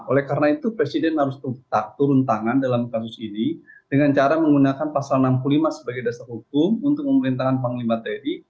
oleh karena itu presiden harus turun tangan dalam kasus ini dengan cara menggunakan pasal enam puluh lima sebagai dasar hukum untuk memerintahkan panglima tni